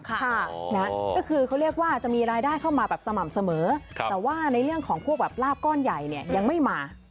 ก็คือเขาเรียกว่าจะมีรายได้เข้ามาแบบสม่ำเสมอแต่ว่าในเรื่องของพวกแบบลาบก้อนใหญ่เนี่ยยังไม่มา